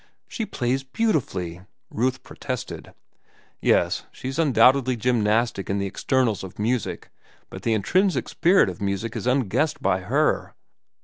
"She plays beautifully," Ruth protested. "Yes, she's undoubtedly gymnastic in the externals of music, but the intrinsic spirit of music is unguessed by her.